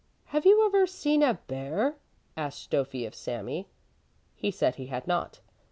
"Have you ever seen a bear?" asked Stöffi of Sami. He said he had not.